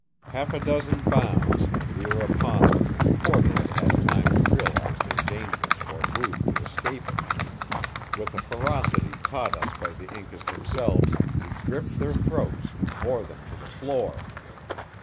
Half a dozen bounds and we were upon them, before they had had time to realize their danger or move to escape it. With a ferocity taught us by the Incas themselves we gripped their throats and bore them to the floor.